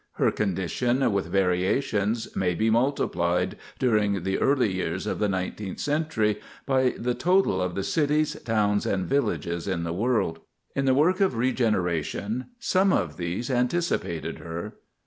Her condition, with variations, may be multiplied, during the early years of the nineteenth century, by the total of the cities, towns, and villages in the world. In the work of regeneration some of these anticipated her.